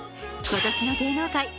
今年の芸能界